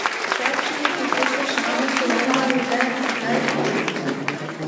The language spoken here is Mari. Такшым кӱтӱчӧ-шамыч чылан манме гаяк тыгай улыт.